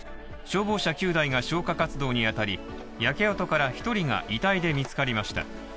消防車９台が消火活動にあたり、焼け跡から１人が遺体で見つかりました。